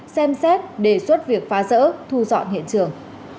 xem xét đề xuất việc phá rỡ thu dọn hiện trường